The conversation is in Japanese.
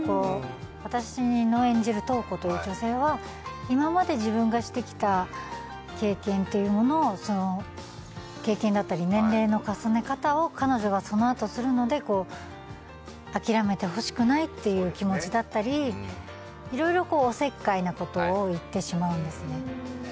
私の演じる瞳子という女性は、今まで自分がしてきた経験だったり年齢の重ね方を彼女がそのあとするので、諦めてほしくないっていう気持ちだったり、いろいろおせっかいなことを言ってしまうんですね。